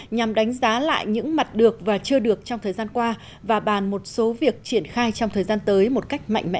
nhằm đánh giá lại những mặt được và chưa được trong thời gian qua và bàn một số việc triển khai trong thời gian tới một cách mạnh mẽ